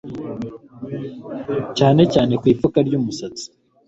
cyane cyane ku ipfuka ry'umusatsi